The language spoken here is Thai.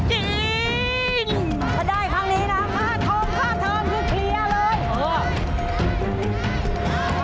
ถ้าได้ครั้งนี้นะค่าเทิมคือเคลียร์เลย